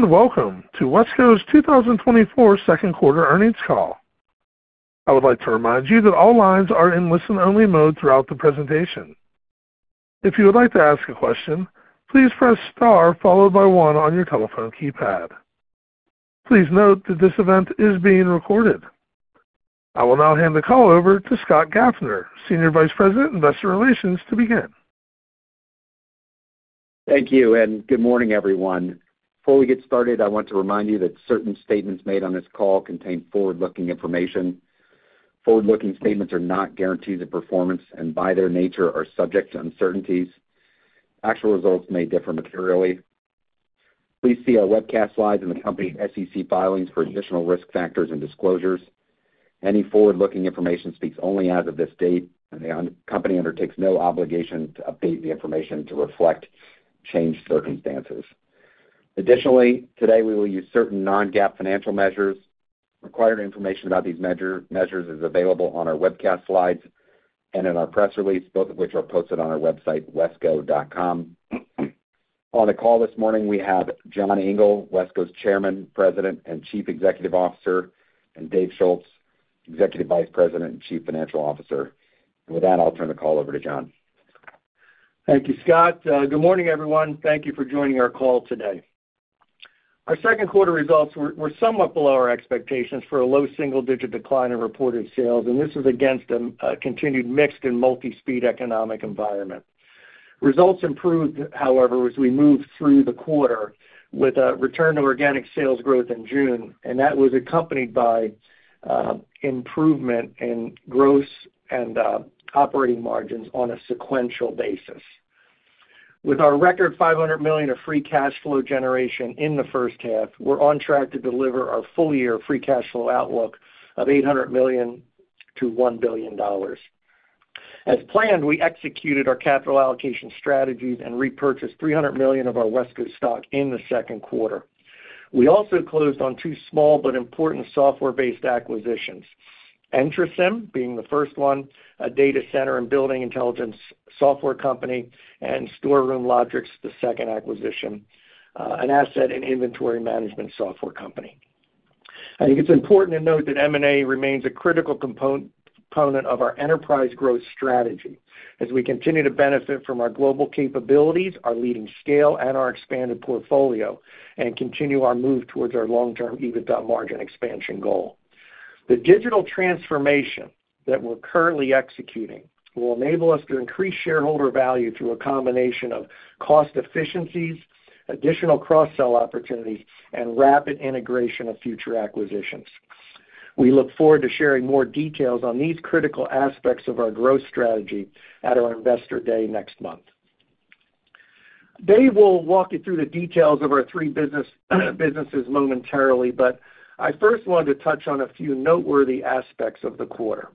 Hello, and welcome to WESCO's 2024 second quarter earnings call. I would like to remind you that all lines are in listen-only mode throughout the presentation. If you would like to ask a question, please press star followed by one on your telephone keypad. Please note that this event is being recorded. I will now hand the call over to Scott Gaffner, Senior Vice President, Investor Relations, to begin. Thank you, and good morning, everyone. Before we get started, I want to remind you that certain statements made on this call contain forward-looking information. Forward-looking statements are not guarantees of performance, and by their nature, are subject to uncertainties. Actual results may differ materially. Please see our webcast slides and the company's SEC filings for additional risk factors and disclosures. Any forward-looking information speaks only as of this date, and the company undertakes no obligation to update the information to reflect changed circumstances. Additionally, today, we will use certain non-GAAP financial measures. Required information about these measures is available on our webcast slides and in our press release, both of which are posted on our website, wesco.com. On the call this morning, we have John Engel, WESCO's Chairman, President, and Chief Executive Officer, and Dave Schulz, Executive Vice President and Chief Financial Officer. With that, I'll turn the call over to John. Thank you, Scott. Good morning, everyone. Thank you for joining our call today. Our second quarter results were somewhat below our expectations for a low single-digit decline in reported sales, and this is against a continued mixed and multi-speed economic environment. Results improved, however, as we moved through the quarter with a return to organic sales growth in June, and that was accompanied by improvement in gross and operating margins on a sequential basis. With our record $500 million of free cash flow generation in the first half, we're on track to deliver our full-year free cash flow outlook of $800 million to $1 billion. As planned, we executed our capital allocation strategies and repurchased $300 million of our WESCO stock in the second quarter. We also closed on two small but important software-based acquisitions. EntroCIM being the first one, a data center and building intelligence software company, and Storeroom Logix, the second acquisition, an asset and inventory management software company. I think it's important to note that M&A remains a critical component of our enterprise growth strategy as we continue to benefit from our global capabilities, our leading scale, and our expanded portfolio, and continue our move towards our long-term EBITDA margin expansion goal. The digital transformation that we're currently executing will enable us to increase shareholder value through a combination of cost efficiencies, additional cross-sell opportunities, and rapid integration of future acquisitions. We look forward to sharing more details on these critical aspects of our growth strategy at our Investor Day next month. Dave will walk you through the details of our three businesses momentarily, but I first wanted to touch on a few noteworthy aspects of the quarter.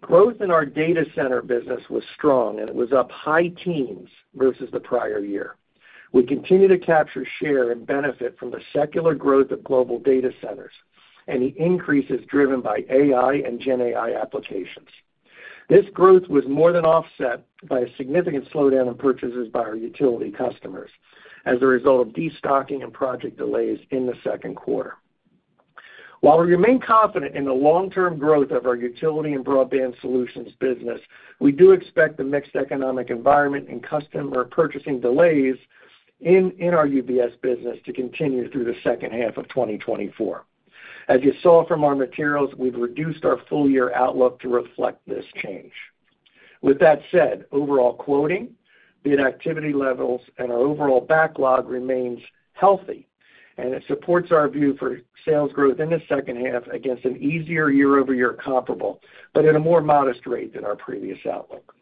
Growth in our data center business was strong, and it was up high teens versus the prior year. We continue to capture share and benefit from the secular growth of global data centers, and the increase is driven by AI and GenAI applications. This growth was more than offset by a significant slowdown in purchases by our utility customers as a result of destocking and project delays in the second quarter. While we remain confident in the long-term growth of our Utility and Broadband Solutions business, we do expect the mixed economic environment and customer purchasing delays in our UBS business to continue through the second half of 2024. As you saw from our materials, we've reduced our full-year outlook to reflect this change. With that said, overall quoting, bid activity levels, and our overall backlog remains healthy, and it supports our view for sales growth in the second half against an easier year-over-year comparable, but at a more modest rate than our previous outlook.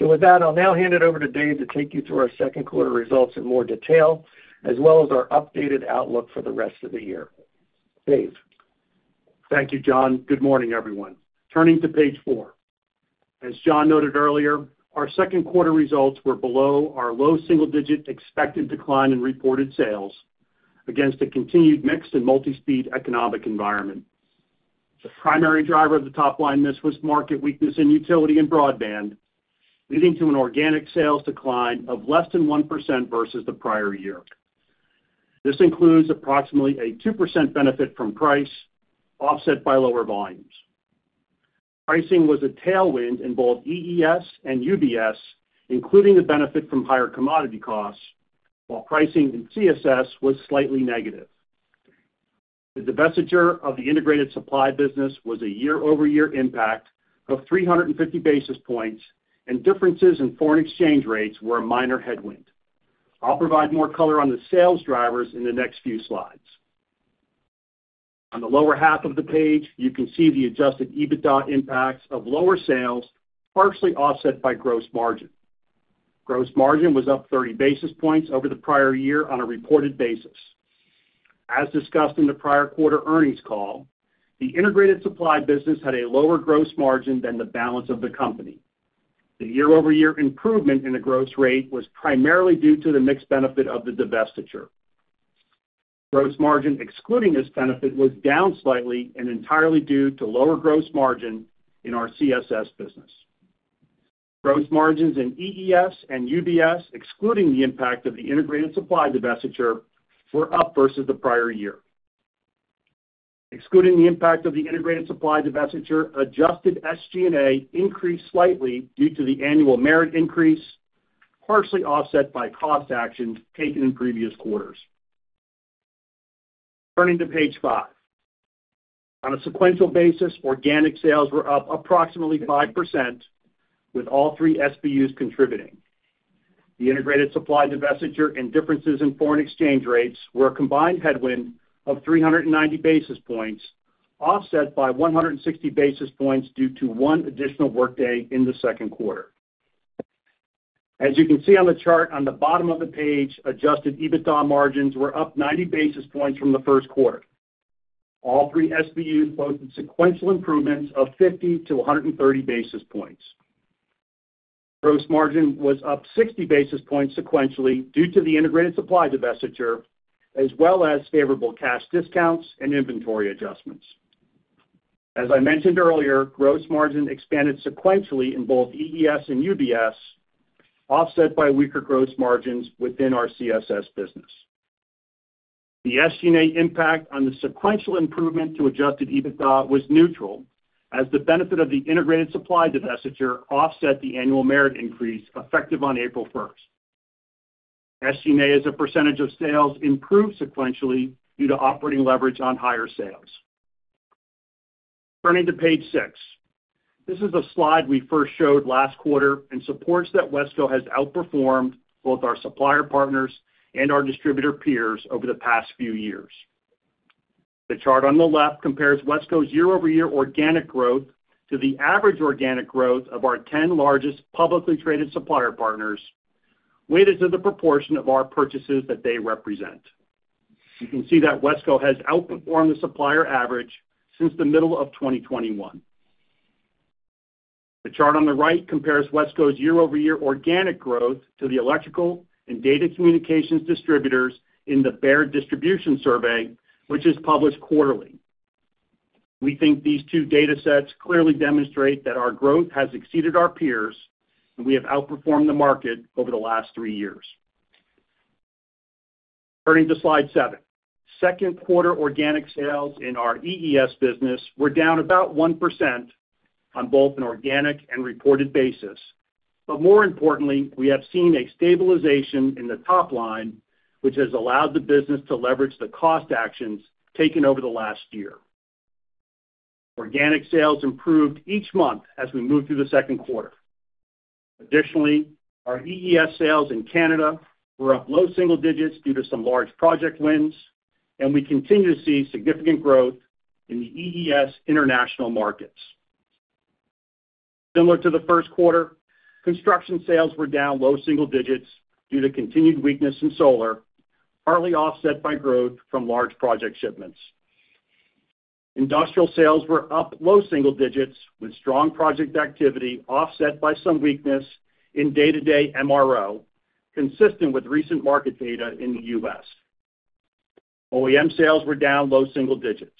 With that, I'll now hand it over to Dave to take you through our second quarter results in more detail, as well as our updated outlook for the rest of the year. Dave? Thank you, John. Good morning, everyone. Turning to page four. As John noted earlier, our second quarter results were below our low single-digit expected decline in reported sales against a continued mixed and multi-speed economic environment. The primary driver of the top line miss was market weakness in utility and broadband, leading to an organic sales decline of less than 1% versus the prior year. This includes approximately a 2% benefit from price, offset by lower volumes. Pricing was a tailwind in both EES and UBS, including the benefit from higher commodity costs, while pricing in CSS was slightly negative. The divestiture of the integrated supply business was a year-over-year impact of 350 basis points, and differences in foreign exchange rates were a minor headwind. I'll provide more color on the sales drivers in the next few slides. On the lower half of the page, you can see the adjusted EBITDA impacts of lower sales, partially offset by gross margin. Gross margin was up 30 basis points over the prior year on a reported basis. As discussed in the prior quarter earnings call, the integrated supply business had a lower gross margin than the balance of the company. The year-over-year improvement in the gross rate was primarily due to the mixed benefit of the divestiture. Gross margin, excluding this benefit, was down slightly and entirely due to lower gross margin in our CSS business. Gross margins in EES and UBS, excluding the impact of the integrated supply divestiture, were up versus the prior year. Excluding the impact of the integrated supply divestiture, adjusted SG&A increased slightly due to the annual merit increase, partially offset by cost actions taken in previous quarters. Turning to page five. On a sequential basis, organic sales were up approximately 5%, with all three SBUs contributing. The integrated supply divestiture and differences in foreign exchange rates were a combined headwind of 390 basis points, offset by 160 basis points due to one additional workday in the second quarter. As you can see on the chart on the bottom of the page, adjusted EBITDA margins were up 90 basis points from the first quarter. All three SBUs quoted sequential improvements of 50 basis points-130 basis points. Gross margin was up 60 basis points sequentially due to the integrated supply divestiture, as well as favorable cash discounts and inventory adjustments. As I mentioned earlier, gross margin expanded sequentially in both EES and UBS, offset by weaker gross margins within our CSS business. The SG&A impact on the sequential improvement to adjusted EBITDA was neutral, as the benefit of the integrated supply divestiture offset the annual merit increase effective on April first. SG&A, as a percentage of sales, improved sequentially due to operating leverage on higher sales. Turning to page 6. This is a slide we first showed last quarter and supports that WESCO has outperformed both our supplier partners and our distributor peers over the past few years. The chart on the left compares WESCO's year-over-year organic growth to the average organic growth of our 10 largest publicly traded supplier partners, weighted to the proportion of our purchases that they represent. You can see that WESCO has outperformed the supplier average since the middle of 2021. The chart on the right compares WESCO's year-over-year organic growth to the electrical and data communications distributors in the Baird Distribution Survey, which is published quarterly. We think these two data sets clearly demonstrate that our growth has exceeded our peers, and we have outperformed the market over the last three years. Turning to slide seven. Second quarter organic sales in our EES business were down about 1% on both an organic and reported basis. But more importantly, we have seen a stabilization in the top line, which has allowed the business to leverage the cost actions taken over the last year. Organic sales improved each month as we moved through the second quarter. Additionally, our EES sales in Canada were up low single digits due to some large project wins, and we continue to see significant growth in the EES international markets. Similar to the first quarter, construction sales were down low single digits due to continued weakness in solar, partly offset by growth from large project shipments. Industrial sales were up low single digits, with strong project activity offset by some weakness in day-to-day MRO, consistent with recent market data in the U.S. OEM sales were down low single digits.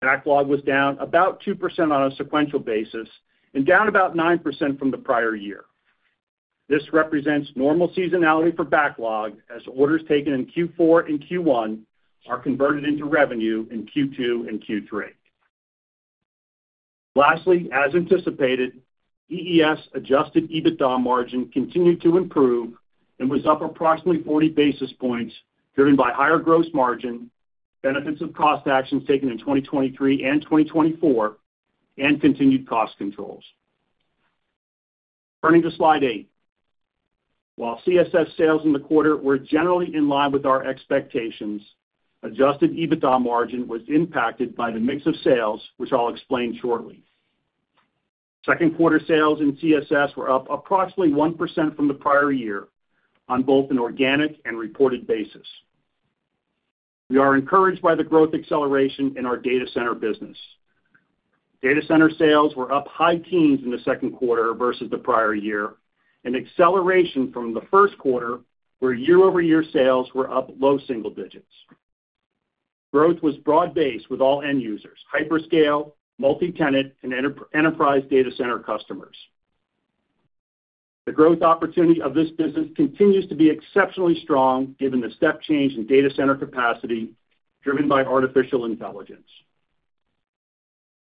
Backlog was down about 2% on a sequential basis and down about 9% from the prior year. This represents normal seasonality for backlog, as orders taken in Q4 and Q1 are converted into revenue in Q2 and Q3. Lastly, as anticipated, EES adjusted EBITDA margin continued to improve and was up approximately 40 basis points, driven by higher gross margin, benefits of cost actions taken in 2023 and 2024, and continued cost controls. Turning to slide eight. While CSS sales in the quarter were generally in line with our expectations, Adjusted EBITDA margin was impacted by the mix of sales, which I'll explain shortly. Second quarter sales in CSS were up approximately 1% from the prior year on both an organic and reported basis. We are encouraged by the growth acceleration in our data center business. Data center sales were up high teens in the second quarter versus the prior year, an acceleration from the first quarter, where year-over-year sales were up low single digits. Growth was broad-based with all end users, hyperscale, multitenant, and enterprise data center customers. The growth opportunity of this business continues to be exceptionally strong, given the step change in data center capacity, driven by artificial intelligence.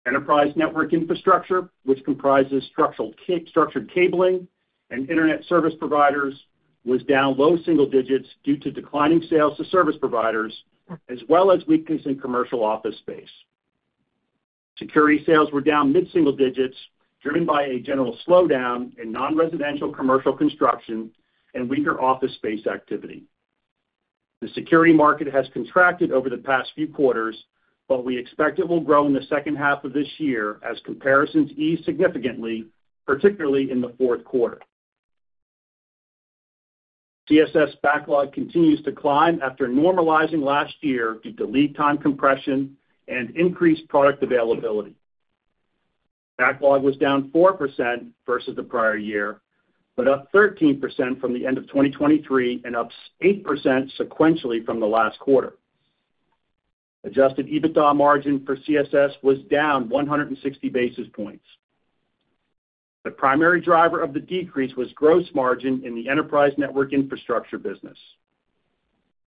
Enterprise network infrastructure, which comprises structured cabling and internet service providers, was down low single digits due to declining sales to service providers, as well as weakness in commercial office space. Security sales were down mid-single digits, driven by a general slowdown in non-residential commercial construction and weaker office space activity. The security market has contracted over the past few quarters, but we expect it will grow in the second half of this year as comparisons ease significantly, particularly in the fourth quarter. CSS backlog continues to climb after normalizing last year due to lead time compression and increased product availability. Backlog was down 4% versus the prior year, but up 13% from the end of 2023, and up 8% sequentially from the last quarter. Adjusted EBITDA margin for CSS was down 160 basis points. The primary driver of the decrease was gross margin in the enterprise network infrastructure business.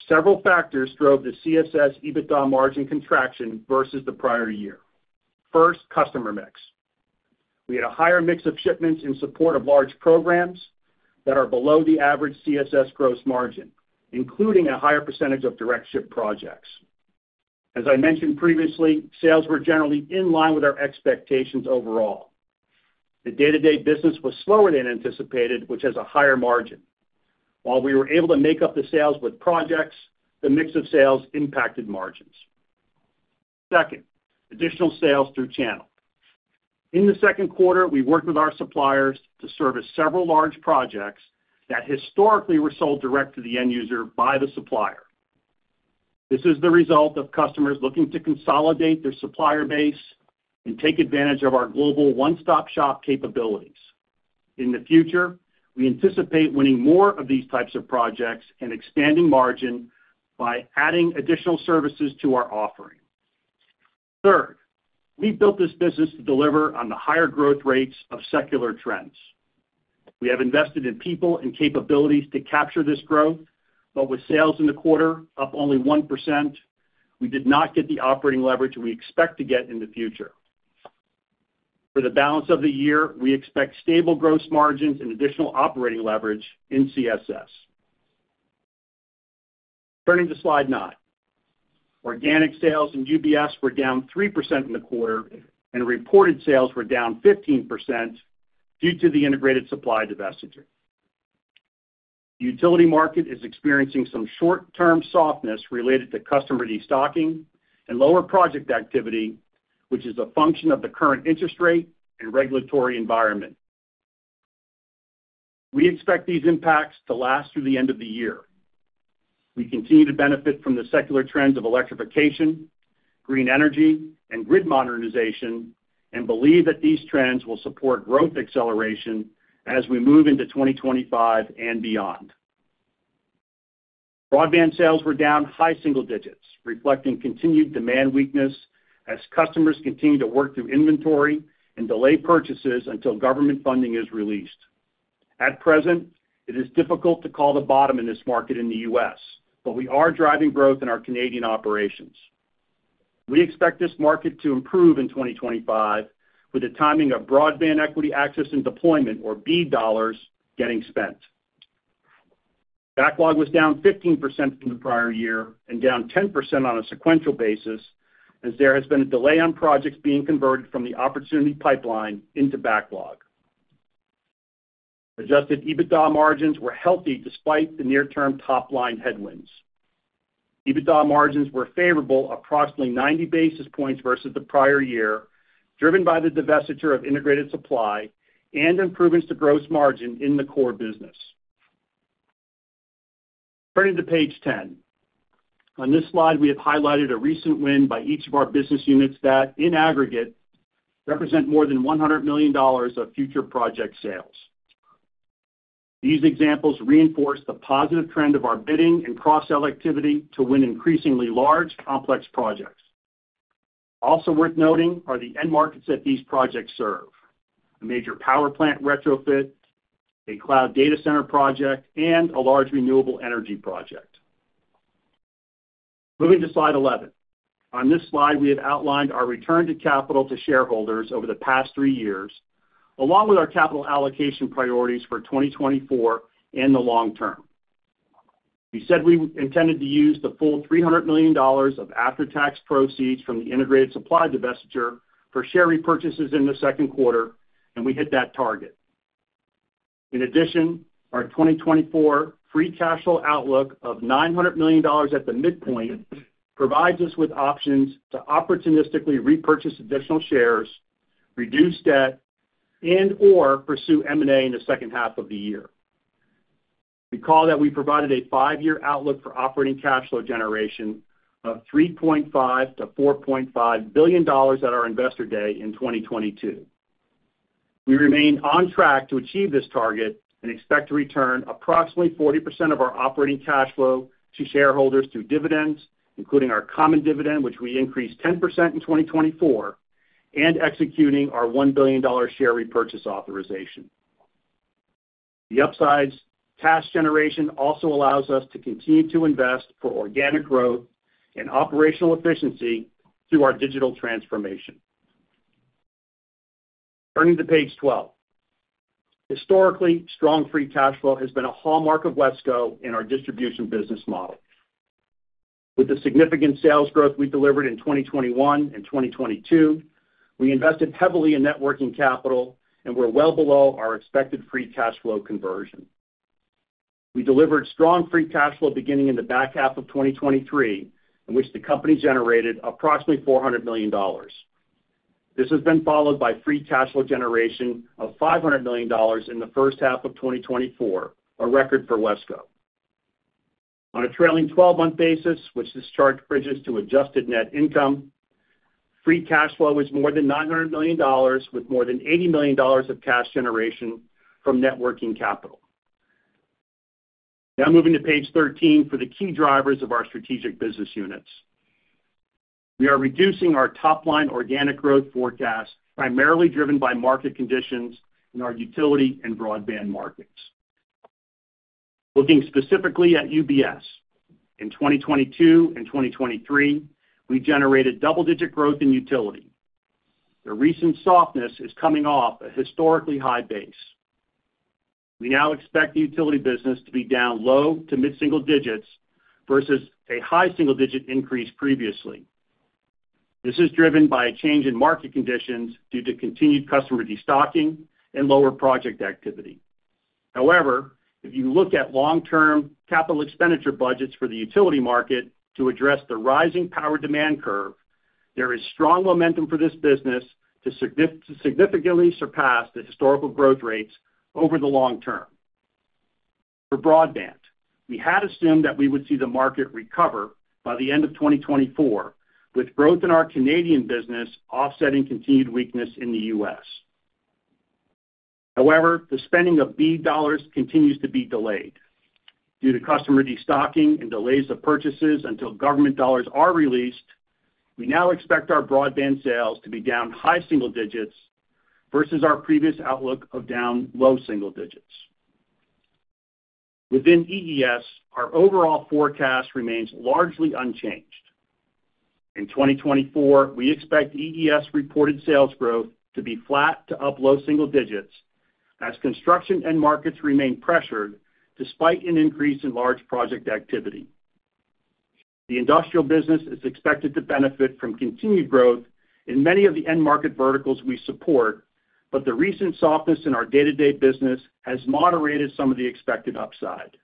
Several factors drove the CSS EBITDA margin contraction versus the prior year. First, customer mix. We had a higher mix of shipments in support of large programs that are below the average CSS gross margin, including a higher percentage of direct ship projects. As I mentioned previously, sales were generally in line with our expectations overall. The day-to-day business was slower than anticipated, which has a higher margin. While we were able to make up the sales with projects, the mix of sales impacted margins. Second, additional sales through channel. In the second quarter, we worked with our suppliers to service several large projects that historically were sold direct to the end user by the supplier. This is the result of customers looking to consolidate their supplier base and take advantage of our global one-stop shop capabilities. In the future, we anticipate winning more of these types of projects and expanding margin by adding additional services to our offering. Third, we built this business to deliver on the higher growth rates of secular trends. We have invested in people and capabilities to capture this growth, but with sales in the quarter up only 1%, we did not get the operating leverage we expect to get in the future. For the balance of the year, we expect stable gross margins and additional operating leverage in CSS. Turning to Slide nine. Organic sales in UBS were down 3% in the quarter, and reported sales were down 15% due to the integrated supply divestiture. The utility market is experiencing some short-term softness related to customer destocking and lower project activity, which is a function of the current interest rate and regulatory environment. We expect these impacts to last through the end of the year. We continue to benefit from the secular trends of electrification, green energy, and grid modernization, and believe that these trends will support growth acceleration as we move into 2025 and beyond. Broadband sales were down high single digits, reflecting continued demand weakness as customers continue to work through inventory and delay purchases until government funding is released. At present, it is difficult to call the bottom in this market in the U.S., but we are driving growth in our Canadian operations. We expect this market to improve in 2025, with the timing of Broadband Equity, Access, and Deployment, or BEAD dollars, getting spent. Backlog was down 15% from the prior year and down 10% on a sequential basis, as there has been a delay on projects being converted from the opportunity pipeline into backlog. Adjusted EBITDA margins were healthy despite the near-term top-line headwinds. EBITDA margins were favorable, approximately 90 basis points versus the prior year, driven by the divestiture of integrated supply and improvements to gross margin in the core business. Turning to page 10. On this slide, we have highlighted a recent win by each of our business units that, in aggregate, represent more than $100 million of future project sales. These examples reinforce the positive trend of our bidding and cross-sell activity to win increasingly large, complex projects. Also worth noting are the end markets that these projects serve: a major power plant retrofit, a cloud data center project, and a large renewable energy project. Moving to Slide 11. On this slide, we have outlined our return to capital to shareholders over the past three years, along with our capital allocation priorities for 2024 and the long term. We said we intended to use the full $300 million of after-tax proceeds from the integrated supply divestiture for share repurchases in the second quarter, and we hit that target. In addition, our 2024 free cash flow outlook of $900 million at the midpoint provides us with options to opportunistically repurchase additional shares, reduce debt, and/or pursue M&A in the second half of the year. Recall that we provided a five-year outlook for operating cash flow generation of $3.5 billion-$4.5 billion at our Investor Day in 2022. We remain on track to achieve this target and expect to return approximately 40% of our operating cash flow to shareholders through dividends, including our common dividend, which we increased 10% in 2024, and executing our $1 billion share repurchase authorization. The upside's cash generation also allows us to continue to invest for organic growth and operational efficiency through our digital transformation. Turning to page 12. Historically, strong free cash flow has been a hallmark of WESCO in our distribution business model. With the significant sales growth we delivered in 2021 and 2022, we invested heavily in net working capital and we're well below our expected free cash flow conversion. We delivered strong free cash flow beginning in the back half of 2023, in which the company generated approximately $400 million. This has been followed by free cash flow generation of $500 million in the first half of 2024, a record for WESCO. On a trailing twelve-month basis, which this chart bridges to adjusted net income, free cash flow was more than $900 million, with more than $80 million of cash generation from net working capital. Now moving to page 13 for the key drivers of our strategic business units. We are reducing our top-line organic growth forecast, primarily driven by market conditions in our utility and broadband markets. Looking specifically at UBS, in 2022 and 2023, we generated double-digit growth in utility. The recent softness is coming off a historically high base. We now expect the utility business to be down low to mid-single digits versus a high single-digit increase previously. This is driven by a change in market conditions due to continued customer destocking and lower project activity. However, if you look at long-term capital expenditure budgets for the utility market to address the rising power demand curve, there is strong momentum for this business to significantly surpass the historical growth rates over the long term. For broadband, we had assumed that we would see the market recover by the end of 2024, with growth in our Canadian business offsetting continued weakness in the U.S. However, the spending of BEAD dollars continues to be delayed. Due to customer destocking and delays of purchases until government dollars are released, we now expect our broadband sales to be down high single digits versus our previous outlook of down low single digits. Within EES, our overall forecast remains largely unchanged. In 2024, we expect EES reported sales growth to be flat to up low single digits as construction end markets remain pressured despite an increase in large project activity. The industrial business is expected to benefit from continued growth in many of the end market verticals we support, but the recent softness in our day-to-day business has moderated some of the expected upside.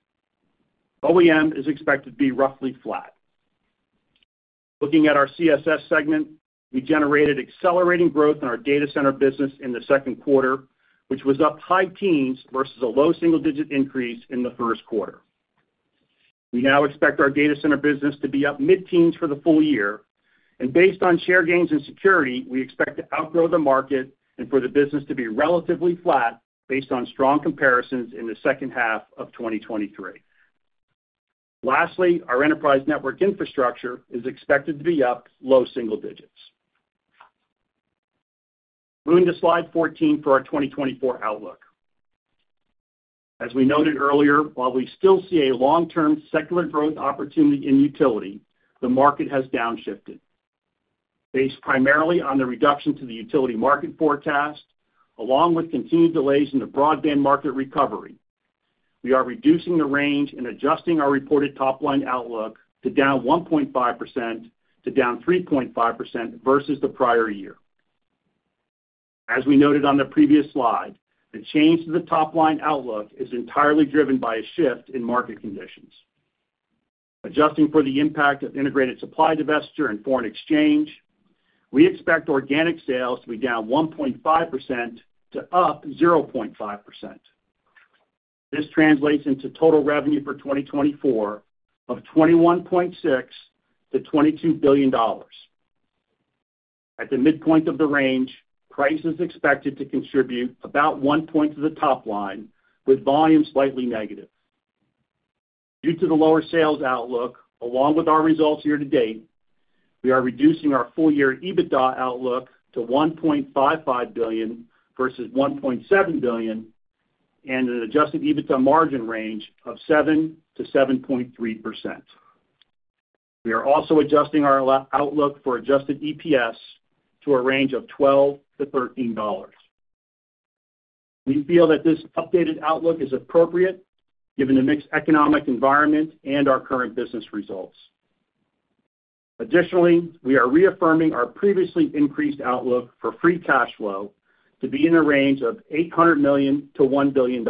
OEM is expected to be roughly flat. Looking at our CSS segment, we generated accelerating growth in our data center business in the second quarter, which was up high teens versus a low single-digit increase in the first quarter. We now expect our data center business to be up mid-teens for the full year, and based on share gains and security, we expect to outgrow the market and for the business to be relatively flat based on strong comparisons in the second half of 2023. Lastly, our enterprise network infrastructure is expected to be up low single digits. Moving to slide 14 for our 2024 outlook. As we noted earlier, while we still see a long-term secular growth opportunity in utility, the market has downshifted. Based primarily on the reduction to the utility market forecast, along with continued delays in the broadband market recovery, we are reducing the range and adjusting our reported top-line outlook to down 1.5% to down 3.5% versus the prior year. As we noted on the previous slide, the change to the top-line outlook is entirely driven by a shift in market conditions. Adjusting for the impact of integrated supply divestiture and foreign exchange, we expect organic sales to be down 1.5% to up 0.5%. This translates into total revenue for 2024 of $21.6 billion-$22 billion. At the midpoint of the range, price is expected to contribute about 1 point to the top line, with volume slightly negative. Due to the lower sales outlook, along with our results year-to-date, we are reducing our full-year EBITDA outlook to $1.55 billion versus $1.7 billion, and an adjusted EBITDA margin range of 7%-7.3%. We are also adjusting our outlook for adjusted EPS to a range of $12-$13. We feel that this updated outlook is appropriate given the mixed economic environment and our current business results. Additionally, we are reaffirming our previously increased outlook for free cash flow to be in the range of $800 million to $1 billion.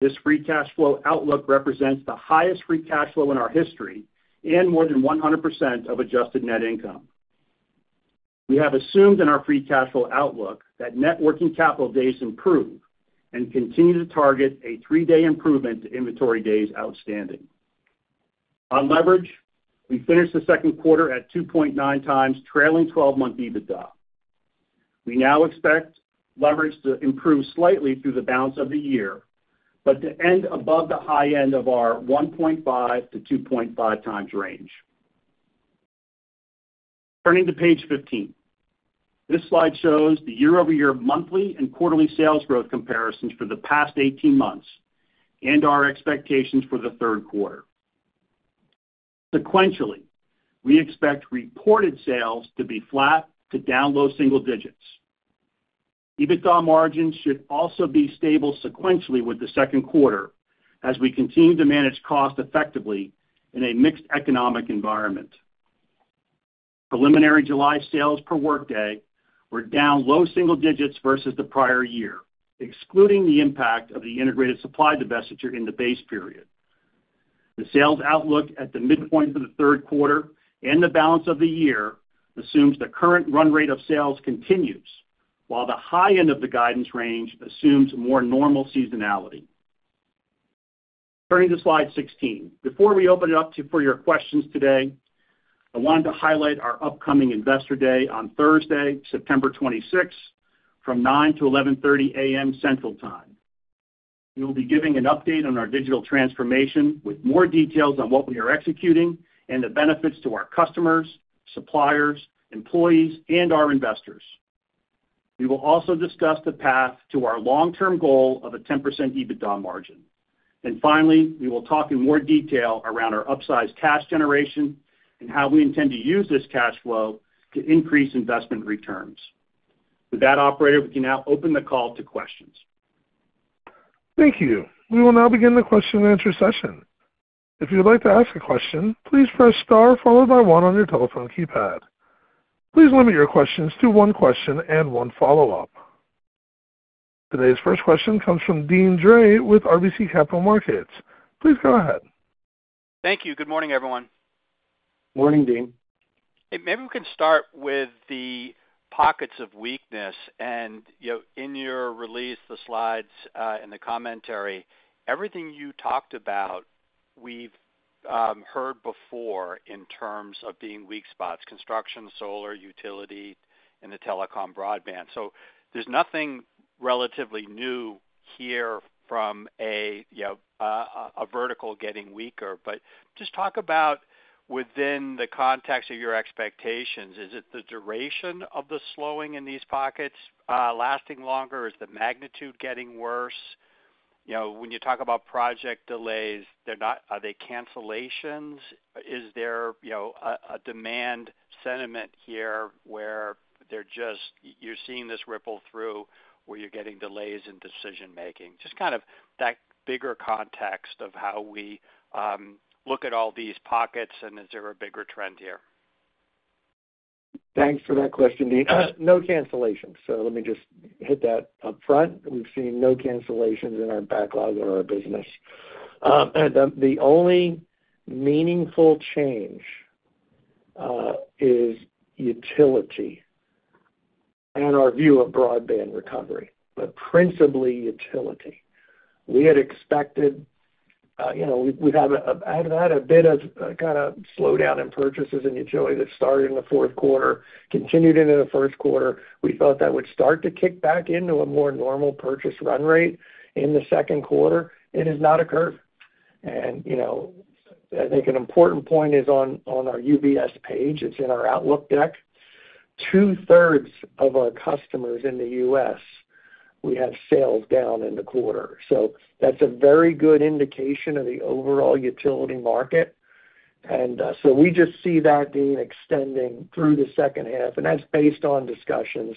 This free cash flow outlook represents the highest free cash flow in our history and more than 100% of adjusted net income. We have assumed in our free cash flow outlook that net working capital days improve and continue to target a three-day improvement to inventory days outstanding. On leverage, we finished the second quarter at 2.9x trailing 12-month EBITDA. We now expect leverage to improve slightly through the balance of the year, but to end above the high end of our 1.5x-2.5x range. Turning to page 15. This slide shows the year-over-year monthly and quarterly sales growth comparisons for the past 18 months and our expectations for the third quarter. Sequentially, we expect reported sales to be flat to down low single digits. EBITDA margins should also be stable sequentially with the second quarter as we continue to manage costs effectively in a mixed economic environment. Preliminary July sales per workday were down low single digits versus the prior year, excluding the impact of the integrated supply divestiture in the base period. The sales outlook at the midpoint of the third quarter and the balance of the year assumes the current run rate of sales continues, while the high end of the guidance range assumes more normal seasonality. Turning to slide 16. Before we open it up for your questions today. I wanted to highlight our upcoming Investor Day on Thursday, September 26th, from 9:00 to 11:30 A.M. Central Time. We will be giving an update on our digital transformation, with more details on what we are executing and the benefits to our customers, suppliers, employees, and our investors. We will also discuss the path to our long-term goal of a 10% EBITDA margin. And finally, we will talk in more detail around our upsized cash generation and how we intend to use this cash flow to increase investment returns. With that, operator, we can now open the call to questions. Thank you. We will now begin the question and answer session. If you would like to ask a question, please press star followed by one on your telephone keypad. Please limit your questions to one question and one follow-up. Today's first question comes from Deane Dray with RBC Capital Markets. Please go ahead. Thank you. Good morning, everyone. Morning, Deane. Maybe we can start with the pockets of weakness, and, you know, in your release, the slides, and the commentary, everything you talked about, we've heard before in terms of being weak spots, construction, solar, utility, and the telecom broadband. So there's nothing relatively new here from a, you know, a vertical getting weaker. But just talk about within the context of your expectations, is it the duration of the slowing in these pockets, lasting longer? Is the magnitude getting worse? You know, when you talk about project delays, they're not, are they cancellations? Is there, you know, a demand sentiment here where they're just, you're seeing this ripple through, where you're getting delays in decision making? Just kind of that bigger context of how we look at all these pockets, and is there a bigger trend here? Thanks for that question, Deane. No cancellations. So let me just hit that upfront. We've seen no cancellations in our backlog or our business. And the only meaningful change is utility and our view of broadband recovery, but principally utility. We had expected, you know, we'd have had a bit of a kind of slowdown in purchases in utility that started in the fourth quarter, continued into the first quarter. We thought that would start to kick back into a more normal purchase run rate in the second quarter. It has not occurred, and, you know, I think an important point is on our UBS page, it's in our outlook deck, two-thirds of our customers in the U.S., we have sales down in the quarter. So that's a very good indication of the overall utility market. So we just see that being extending through the second half, and that's based on discussions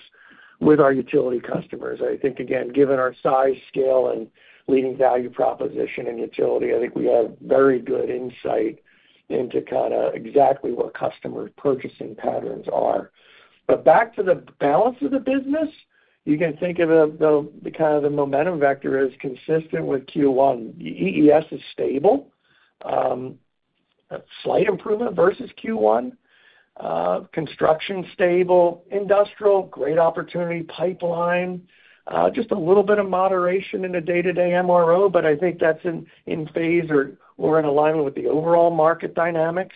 with our utility customers. I think, again, given our size, scale, and leading value proposition in utility, I think we have very good insight into kind of exactly what customer purchasing patterns are. But back to the balance of the business, you can think of it, the kind of the momentum vector is consistent with Q1. EES is stable, a slight improvement versus Q1. Construction, stable. Industrial, great opportunity. Pipeline, just a little bit of moderation in the day-to-day MRO, but I think that's in phase or in alignment with the overall market dynamics.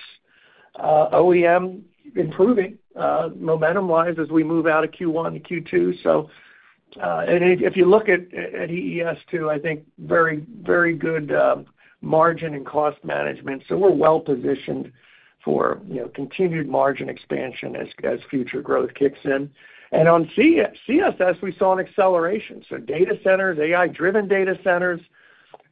OEM improving, momentum-wise as we move out of Q1 to Q2. So, and if you look at EES, too, I think very, very good margin and cost management. So we're well positioned for, you know, continued margin expansion as future growth kicks in. And on CSS, we saw an acceleration. So data centers, AI-driven data centers,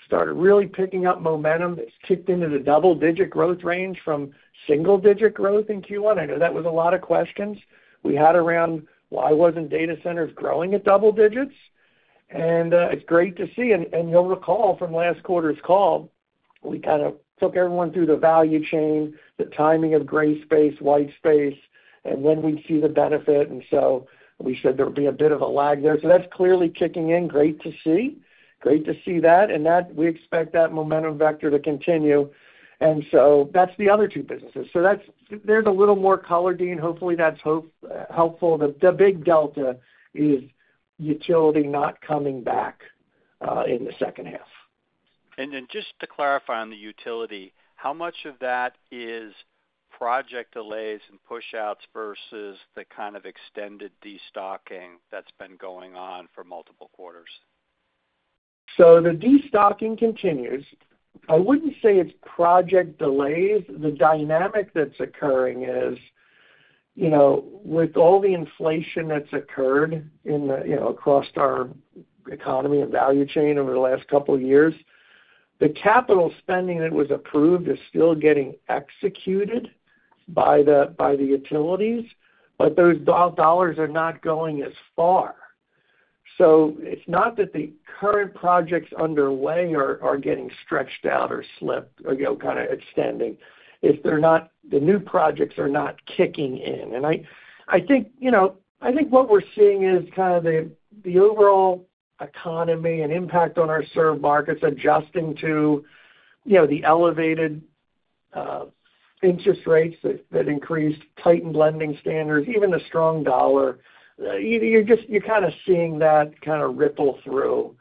started really picking up momentum. It's kicked into the double-digit growth range from single-digit growth in Q1. I know that was a lot of questions we had around, why wasn't data centers growing at double digits? And it's great to see. And you'll recall from last quarter's call, we kind of took everyone through the value chain, the timing of gray space, white space, and when we'd see the benefit. And so we said there would be a bit of a lag there. So that's clearly kicking in. Great to see. Great to see that, and that we expect that momentum vector to continue, and so that's the other two businesses. So that's... there's a little more color, Deane. Hopefully, that's helpful. The big delta is utility not coming back in the second half. Just to clarify on the utility, how much of that is project delays and pushouts versus the kind of extended destocking that's been going on for multiple quarters? So the destocking continues. I wouldn't say it's project delays. The dynamic that's occurring is, you know, with all the inflation that's occurred in the, you know, across our economy and value chain over the last couple of years, the capital spending that was approved is still getting executed by the utilities, but those dollars are not going as far. So it's not that the current projects underway are getting stretched out or slipped or, you know, kind of extending. It's they're not, the new projects are not kicking in. And I think, you know, I think what we're seeing is kind of the overall economy and impact on our served markets adjusting to, you know, the elevated interest rates that increased, tightened lending standards, even the strong dollar. You're just kind of seeing that kind of ripple through,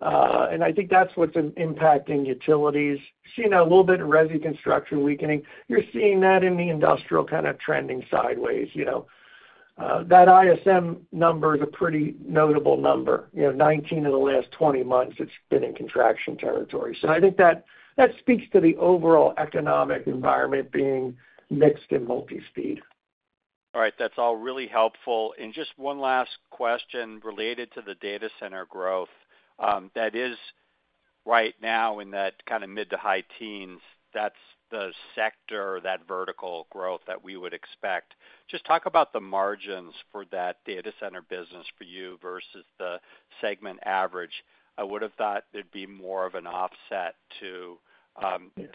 and I think that's what's impacting utilities. Seeing a little bit of resi construction weakening. You're seeing that in the industrial kind of trending sideways, you know? That ISM number is a pretty notable number. You know, 19 of the last 20 months, it's been in contraction territory. So I think that, that speaks to the overall economic environment being mixed and multi-speed. All right. That's all really helpful. And just one last question related to the data center growth, that is right now in that kind of mid- to high-teens, that's the sector, that vertical growth that we would expect. Just talk about the margins for that data center business for you versus the segment average. I would have thought it'd be more of an offset to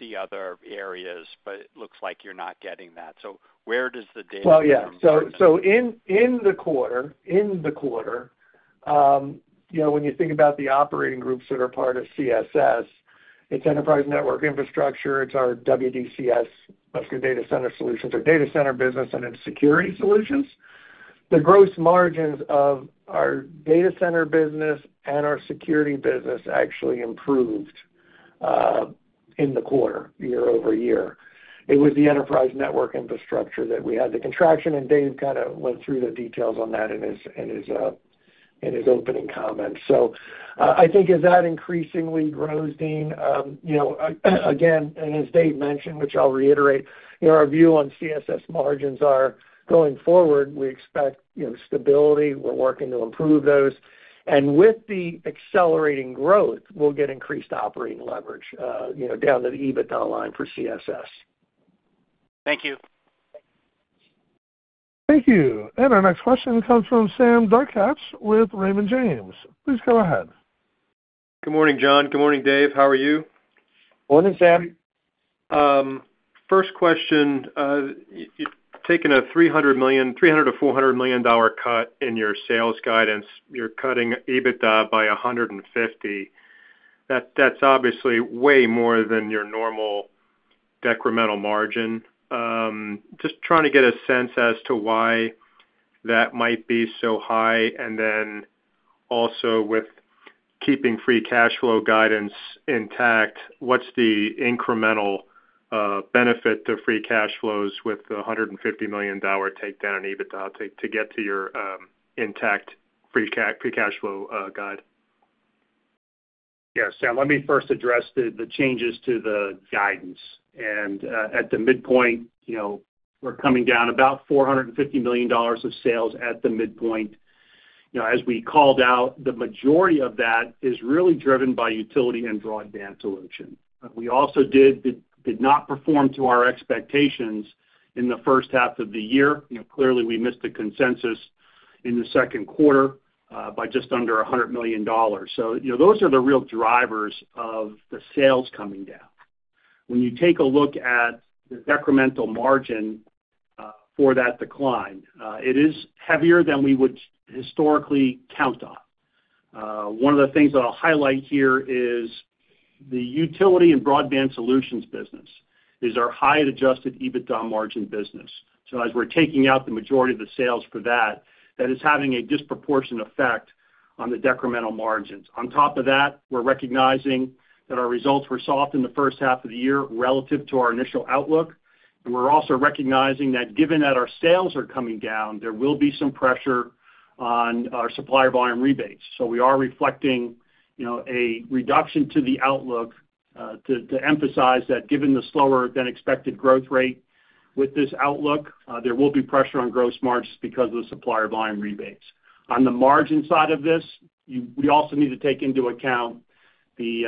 the other areas, but it looks like you're not getting that. So where does the data- Well, yeah. So, in the quarter, you know, when you think about the operating groups that are part of CSS, it's enterprise network infrastructure, it's our WDCS, WESCO Data Center Solutions, our data center business, and it's security solutions. The gross margins of our data center business and our security business actually improved, in the quarter, year-over-year. It was the enterprise network infrastructure that we had the contraction, and Dave kind of went through the details on that in his opening comments. So, I think as that increasingly grows, Deane, you know, again, and as Dave mentioned, which I'll reiterate, you know, our view on CSS margins are going forward, we expect, you know, stability. We're working to improve those. With the accelerating growth, we'll get increased operating leverage, you know, down to the EBITDA line for CSS. Thank you. Thank you. Our next question comes from Sam Darkatsh with Raymond James. Please go ahead. Good morning, John. Good morning, Dave. How are you? Morning, Sam. First question, you've taken a $300 million-$400 million dollar cut in your sales guidance. You're cutting EBITDA by $150 million. That's obviously way more than your normal decremental margin. Just trying to get a sense as to why that might be so high, and then also with keeping free cash flow guidance intact, what's the incremental benefit to free cash flows with the $150 million dollar takedown in EBITDA to get to your intact free cash flow guide? Yeah, Sam, let me first address the, the changes to the guidance. At the midpoint, you know, we're coming down about $450 million of sales at the midpoint. You know, as we called out, the majority of that is really driven by Utility and Broadband Solutions. We also did not perform to our expectations in the first half of the year. You know, clearly, we missed the consensus in the second quarter by just under $100 million. So, you know, those are the real drivers of the sales coming down. When you take a look at the decremental margin for that decline, it is heavier than we would historically count on. One of the things that I'll highlight here is the Utility and Broadband Solutions business is our highest adjusted EBITDA margin business. So as we're taking out the majority of the sales for that, that is having a disproportionate effect on the decremental margins. On top of that, we're recognizing that our results were soft in the first half of the year relative to our initial outlook, and we're also recognizing that given that our sales are coming down, there will be some pressure on our supplier volume rebates. So we are reflecting, you know, a reduction to the outlook, to emphasize that given the slower than expected growth rate with this outlook, there will be pressure on gross margins because of the supplier volume rebates. On the margin side of this, we also need to take into account the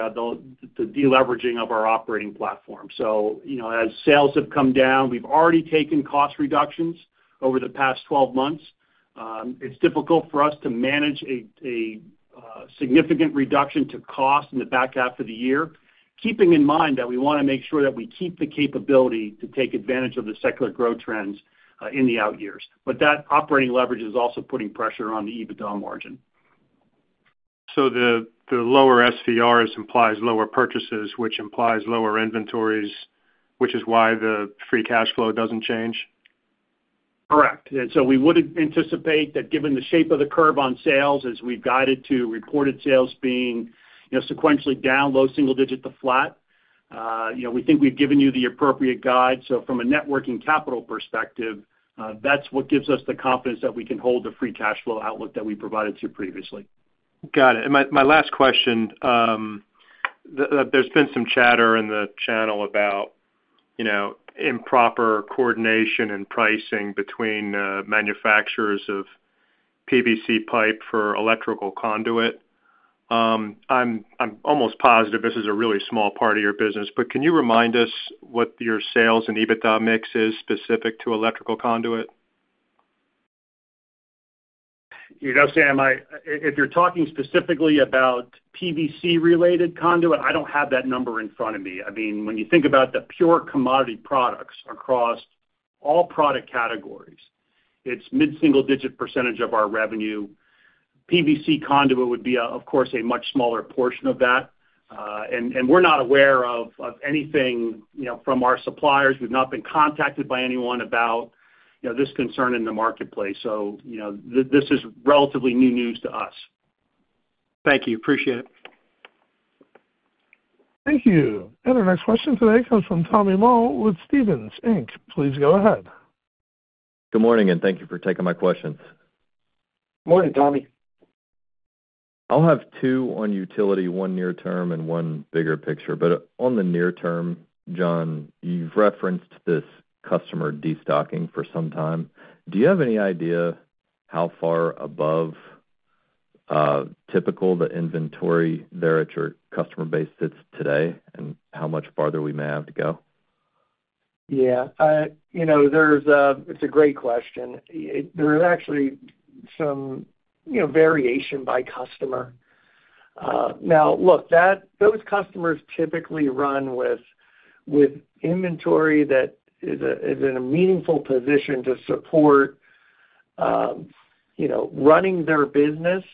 deleveraging of our operating platform. So, you know, as sales have come down, we've already taken cost reductions over the past 12 months. It's difficult for us to manage a significant reduction to cost in the back half of the year, keeping in mind that we want to make sure that we keep the capability to take advantage of the secular growth trends in the out years. But that operating leverage is also putting pressure on the EBITDA margin. So the lower SVRs implies lower purchases, which implies lower inventories, which is why the free cash flow doesn't change? Correct. And so we would anticipate that given the shape of the curve on sales, as we've guided to reported sales being, you know, sequentially down, low single digit to flat, you know, we think we've given you the appropriate guide. So from a net working capital perspective, that's what gives us the confidence that we can hold the free cash flow outlook that we provided to you previously. Got it. And my last question, there's been some chatter in the channel about, you know, improper coordination and pricing between manufacturers of PVC pipe for electrical conduit. I'm almost positive this is a really small part of your business, but can you remind us what your sales and EBITDA mix is specific to electrical conduit? You know, Sam, if you're talking specifically about PVC-related conduit, I don't have that number in front of me. I mean, when you think about the pure commodity products across all product categories, it's mid-single digit % of our revenue. PVC conduit would be, of course, a much smaller portion of that. And we're not aware of anything, you know, from our suppliers. We've not been contacted by anyone about, you know, this concern in the marketplace. So, you know, this is relatively new news to us. Thank you. Appreciate it. Thank you. And our next question today comes from Tommy Moe with Stephens Inc. Please go ahead. Good morning, and thank you for taking my questions. Morning, Tommy. I'll have two on utility, one near term and one bigger picture. But on the near term, John, you've referenced this customer destocking for some time. Do you have any idea how far above typical the inventory there at your customer base sits today, and how much farther we may have to go? Yeah, you know, it's a great question. There is actually some, you know, variation by customer. Now, look, those customers typically run with inventory that is in a meaningful position to support, you know, running their business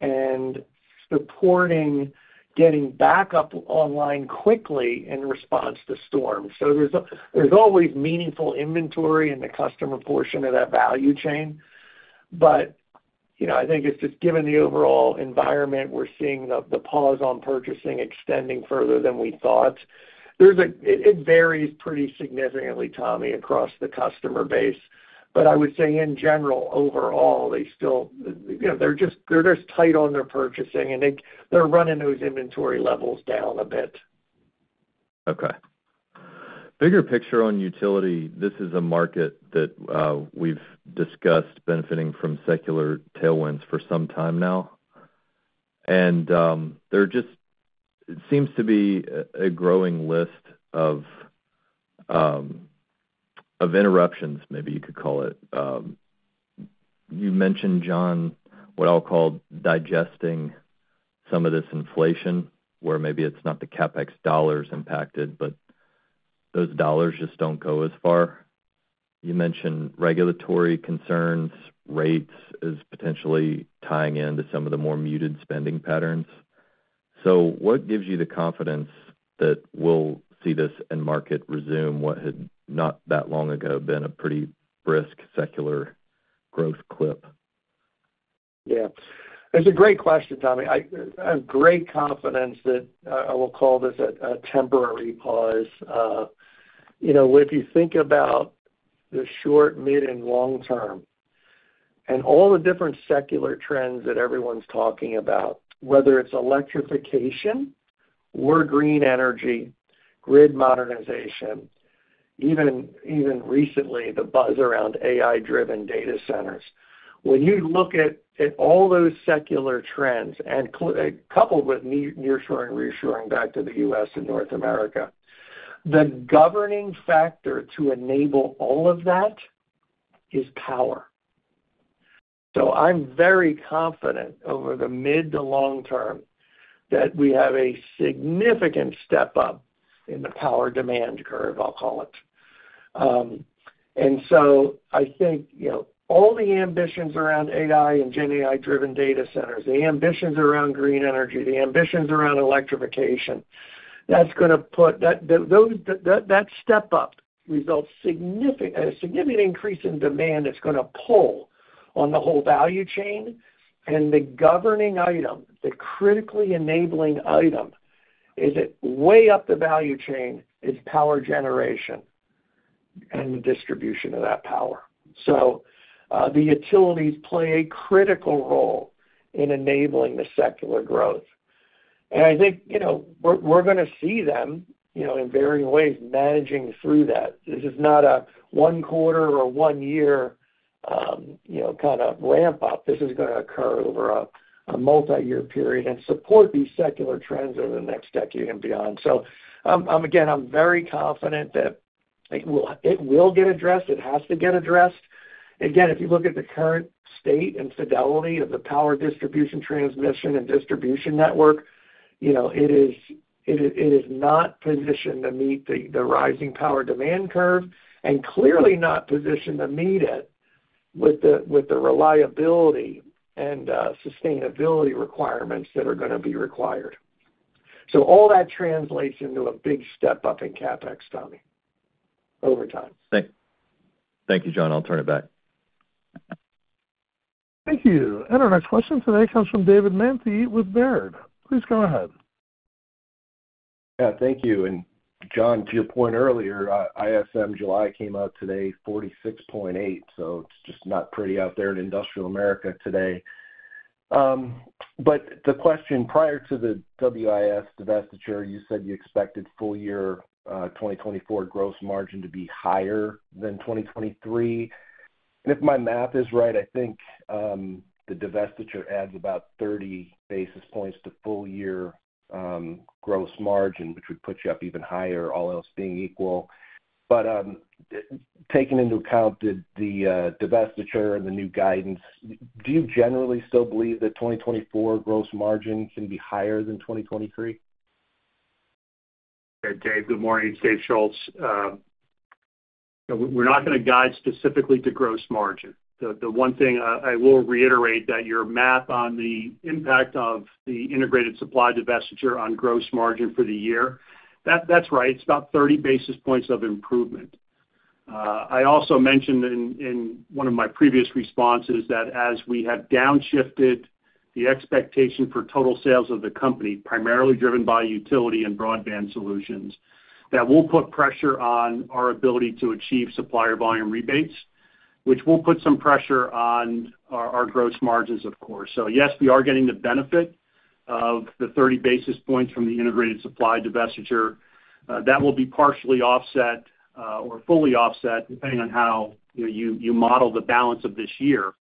and supporting getting back up online quickly in response to storms. So there's always meaningful inventory in the customer portion of that value chain. But, you know, I think it's just given the overall environment, we're seeing the pause on purchasing extending further than we thought. It varies pretty significantly, Tommy, across the customer base, but I would say in general, overall, they still, you know, they're just tight on their purchasing, and they're running those inventory levels down a bit. Okay. Bigger picture on utility, this is a market that we've discussed benefiting from secular tailwinds for some time now. There just seems to be a growing list of interruptions, maybe you could call it. You mentioned, John, what I'll call digesting some of this inflation, where maybe it's not the CapEx dollars impacted, but those dollars just don't go as far. You mentioned regulatory concerns, rates, as potentially tying into some of the more muted spending patterns. So what gives you the confidence that we'll see this end market resume, what had not that long ago, been a pretty brisk secular growth clip? Yeah. It's a great question, Tommy. I have great confidence that I will call this a temporary pause. You know, if you think about the short, mid, and long term and all the different secular trends that everyone's talking about, whether it's electrification or green energy, grid modernization, even recently, the buzz around AI-driven data centers. When you look at all those secular trends and coupled with nearshoring, reshoring back to the U.S. and North America, the governing factor to enable all of that is power. So I'm very confident over the mid to long term that we have a significant step up in the power demand curve, I'll call it. And so I think, you know, all the ambitions around AI and GenAI-driven data centers, the ambitions around green energy, the ambitions around electrification, that's gonna put... That step up results in a significant increase in demand that's gonna pull on the whole value chain, and the governing item, the critically enabling item, is that way up the value chain is power generation and the distribution of that power. So, the utilities play a critical role in enabling the secular growth. And I think, you know, we're, we're gonna see them, you know, in varying ways managing through that. This is not a one quarter or one year, you know, kind of ramp up. This is gonna occur over a multiyear period and support these secular trends over the next decade and beyond. So I'm again very confident that it will get addressed. It has to get addressed. Again, if you look at the current state and fidelity of the power distribution, transmission, and distribution network, you know, it is not positioned to meet the rising power demand curve, and clearly not positioned to meet it with the reliability and sustainability requirements that are gonna be required. So all that translates into a big step up in CapEx, Tommy, over time. Thank you, John. I'll turn it back. Thank you. Our next question today comes from David Manthey with Baird. Please go ahead. Yeah, thank you. And John, to your point earlier, ISM July came out today, 46.8, so it's just not pretty out there in industrial America today. But the question, prior to the WIS divestiture, you said you expected full year, 2024 gross margin to be higher than 2023. And if my math is right, I think, the divestiture adds about 30 basis points to full year, gross margin, which would put you up even higher, all else being equal. But, taking into account the divestiture and the new guidance, do you generally still believe that 2024 gross margin can be higher than 2023? Dave, good morning. It's Dave Schulz. We're not gonna guide specifically to gross margin. The one thing I will reiterate that your math on the impact of the integrated supply divestiture on gross margin for the year, that's right. It's about 30 basis points of improvement. I also mentioned in one of my previous responses that as we have downshifted the expectation for total sales of the company, primarily driven by Utility and Broadband Solutions, that will put pressure on our ability to achieve supplier volume rebates, which will put some pressure on our gross margins, of course. So yes, we are getting the benefit of the 30 basis points from the integrated supply divestiture. That will be partially offset, or fully offset, depending on how, you know, you model the balance of this year,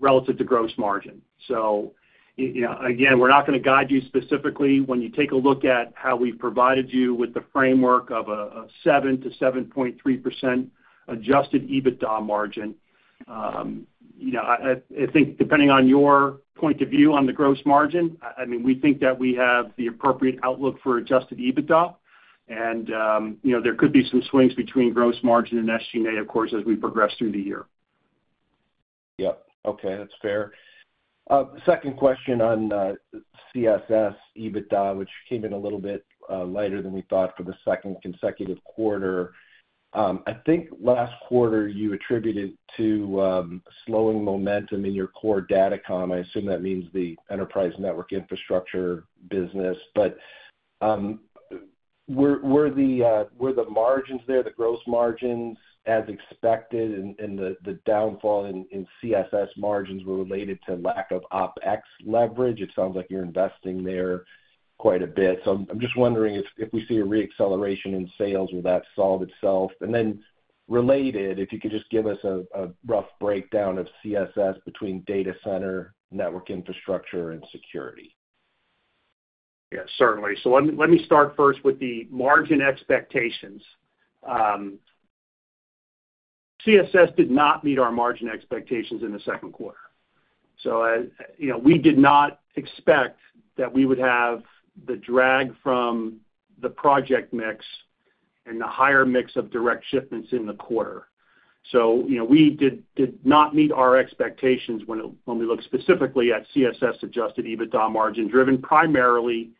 relative to gross margin. So, you know, again, we're not gonna guide you specifically. When you take a look at how we've provided you with the framework of a 7%-7.3% adjusted EBITDA margin, you know, I think depending on your point of view on the gross margin, I mean, we think that we have the appropriate outlook for adjusted EBITDA. You know, there could be some swings between gross margin and SG&A, of course, as we progress through the year. Yep. Okay, that's fair. Second question on CSS EBITDA, which came in a little bit lighter than we thought for the second consecutive quarter. I think last quarter, you attributed to slowing momentum in your core datacom. I assume that means the enterprise network infrastructure business. But were the margins there, the gross margins as expected, and the downfall in CSS margins were related to lack of OpEx leverage? It sounds like you're investing there quite a bit. So I'm just wondering if we see a reacceleration in sales, will that solve itself? And then related, if you could just give us a rough breakdown of CSS between data center, network infrastructure, and security. Yeah, certainly. So let me start first with the margin expectations. CSS did not meet our margin expectations in the second quarter. So you know, we did not expect that we would have the drag from the project mix and the higher mix of direct shipments in the quarter. So, you know, we did not meet our expectations when we look specifically at CSS-adjusted EBITDA margin, driven primarily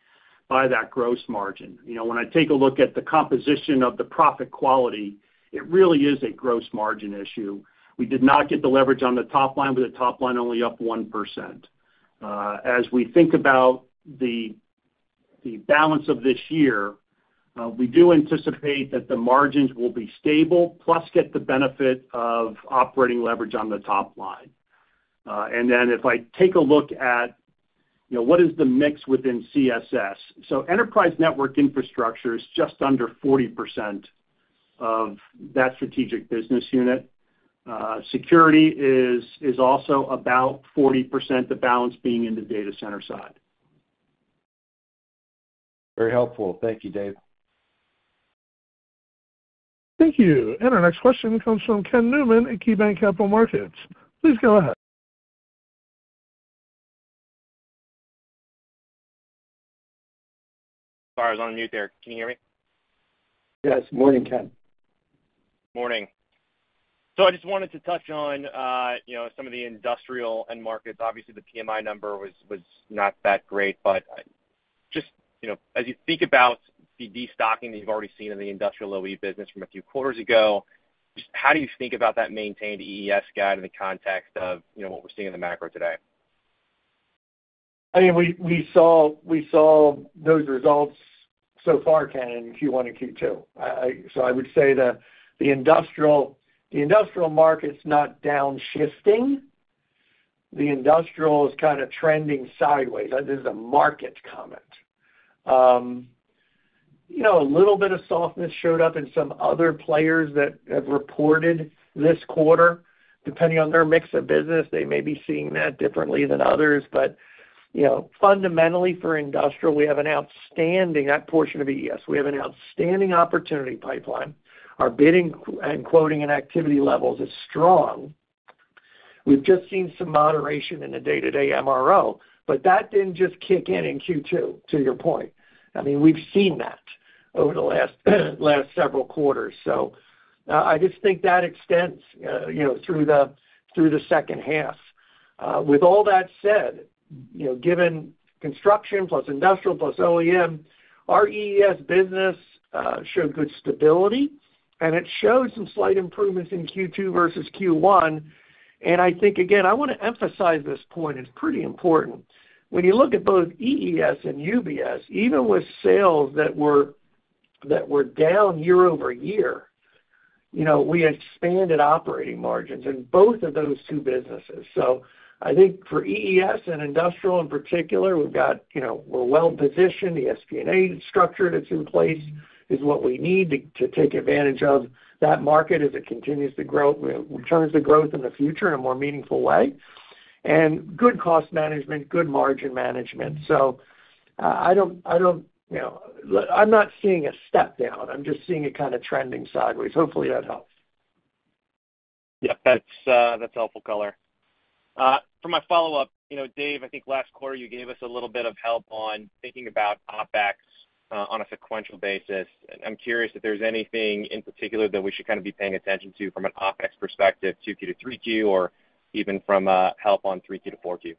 by that gross margin. You know, when I take a look at the composition of the profit quality, it really is a gross margin issue. We did not get the leverage on the top line, with the top line only up 1%. As we think about the balance of this year, we do anticipate that the margins will be stable, plus get the benefit of operating leverage on the top line. And then if I take a look at, you know, what is the mix within CSS? So enterprise network infrastructure is just under 40% of that strategic business unit. Security is also about 40%, the balance being in the data center side. Very helpful. Thank you, Dave. Thank you. And our next question comes from Ken Newman at KeyBanc Capital Markets. Please go ahead. Sorry, I was on mute there. Can you hear me? Yes. Morning, Ken. Morning. So I just wanted to touch on, you know, some of the industrial end markets. Obviously, the PMI number was not that great, but just, you know, as you think about the destocking that you've already seen in the industrial OE business from a few quarters ago, just how do you think about that maintained EES guide in the context of, you know, what we're seeing in the macro today? I mean, we, we saw, we saw those results so far, Ken, in Q1 and Q2. So I would say that the industrial, the industrial market's not downshifting. The industrial is kind of trending sideways. This is a market comment. You know, a little bit of softness showed up in some other players that have reported this quarter. Depending on their mix of business, they may be seeing that differently than others, but, you know, fundamentally for industrial, we have an outstanding... That portion of EES, we have an outstanding opportunity pipeline. Our bidding and quoting and activity levels is strong. We've just seen some moderation in the day-to-day MRO, but that didn't just kick in in Q2, to your point. I mean, we've seen that over the last, last several quarters. So, I just think that extends, you know, through the, through the second half. With all that said, you know, given construction plus industrial plus OEM, our EES business showed good stability, and it showed some slight improvements in Q2 versus Q1. And I think, again, I want to emphasize this point, it's pretty important: When you look at both EES and UBS, even with sales that were down year-over-year, you know, we expanded operating margins in both of those two businesses. So I think for EES and industrial, in particular, we've got—you know, we're well-positioned. The SG&A structure that's in place is what we need to take advantage of that market as it continues to grow, returns to growth in the future in a more meaningful way, and good cost management, good margin management. I don't, I don't... You know, I'm not seeing a step down. I'm just seeing it kind of trending sideways. Hopefully, that helps. Yep, that's, that's helpful color. For my follow-up, you know, Dave, I think last quarter you gave us a little bit of help on thinking about OpEx, on a sequential basis. And I'm curious if there's anything in particular that we should kind of be paying attention to from an OpEx perspective, 2Q to 3Q, or even from, help on 3Q to 4Q?